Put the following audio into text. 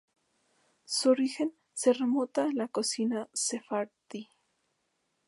Su origen se remonta a la cocina sefardí.